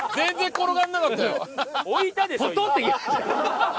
置いたでしょ今。